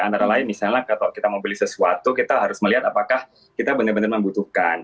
antara lain misalnya kalau kita mau beli sesuatu kita harus melihat apakah kita benar benar membutuhkan